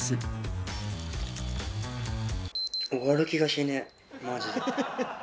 終わる気がしねえマジで。